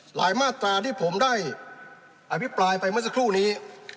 มาตราที่ผมได้อภิปรายไปเมื่อสักครู่นี้